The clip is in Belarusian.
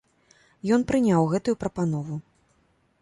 Ён прыняў гэтую прапанову.